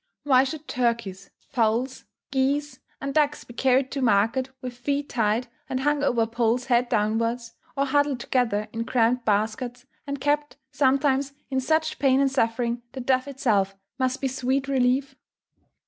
Why should turkeys, fowls, geese, and ducks be carried to market, with feet tied, and hung over poles head downwards, or huddled together in cramped baskets, and kept, sometimes, in such pain and suffering that death itself must be sweet relief?